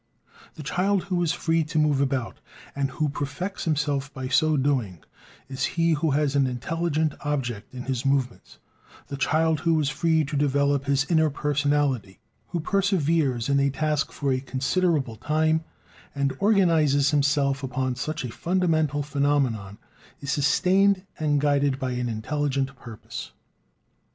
The child who is "free to move about," and who perfects himself by so doing, is he who has an "intelligent object" in his movements; the child who is free to develop his inner personality, who perseveres in a task for a considerable time, and organizes himself upon such a fundamental phenomenon, is sustained and guided by an intelligent purpose.